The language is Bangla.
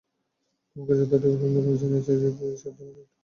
তোমাকে যতদূর জেনেছি, রিফ, ইশ্বর তোমাকে একটা কবুতরের সমান বোধজ্ঞানও দেননি।